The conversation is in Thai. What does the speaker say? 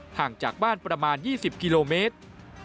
ห่างจากบ้านประมาณ๒๐กิโลเมตร